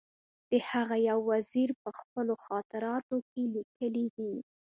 د هغه یو وزیر په خپلو خاطراتو کې لیکلي دي.